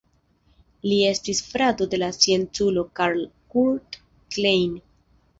Li estis frato de la scienculo Karl Kurt Klein.